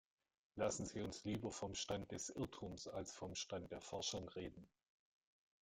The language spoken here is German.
Lassen Sie uns lieber vom Stand des Irrtums als vom Stand der Forschung reden.